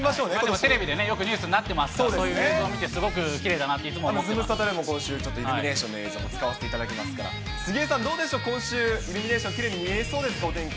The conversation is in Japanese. テレビでよくニュースになってますから、そういう映像見てすごくきれいだなって、いつも思っズムサタでも今週、イルミネーションの映像、使わせていただきますから、杉江さん、どうでしょう、今週、イルミネーション、きれいに見えそうですか、お天気。